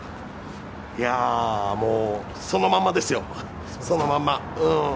いや、もう、そのまんまですよ、そのまんま。